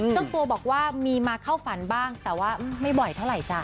เจ้าตัวบอกว่ามีมาเข้าฝันบ้างแต่ว่าไม่บ่อยเท่าไหร่จ้ะ